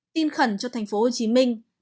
tin khẩn cho tp hcm